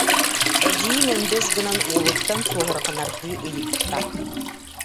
Эдьиийим өндөс гынан уолуттан суоһурҕанардыы ыйытта: